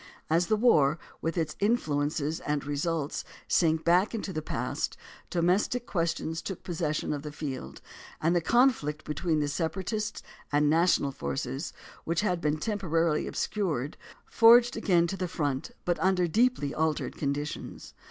As the war, with its influences and results, sank back into the past, domestic questions took possession of the field, and the conflict between the separatist and na tional forces which had been temporarily obscured forged again to the front, but under deeply altered con ditions.